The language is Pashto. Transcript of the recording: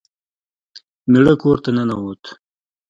میړه کور ته ننوت.